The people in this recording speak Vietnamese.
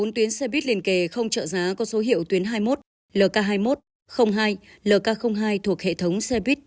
bốn tuyến xe buýt liền kề không trợ giá có số hiệu tuyến hai mươi một lk hai mươi một hai lk hai thuộc hệ thống xe buýt